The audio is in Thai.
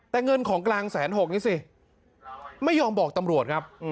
แต่เงินของกลางแสนหกนี่สิไม่ยอมบอกตำรวจครับ